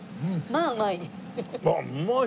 まあうまい？